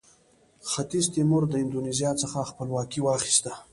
ختیځ تیمور د اندونیزیا څخه خپلواکي واخیسته.